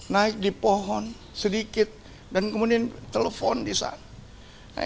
naik di pohon sedikit dan kemudian telepon di sana